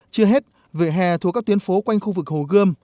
chưa hết về hè thuộc các tuyến phố quanh khu vực hồ gươm